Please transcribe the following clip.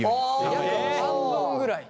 約半分ぐらい。